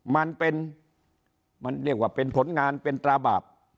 มันเป็นมันเรียกว่าเป็นผลงานเป็นตราบาป